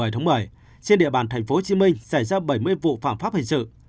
trên địa bàn tp hcm xảy ra bảy mươi vụ phản pháp hình sự